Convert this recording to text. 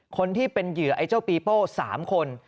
คนที่เป็นเหยื่อไอ้เจ้าปีโป้๓คน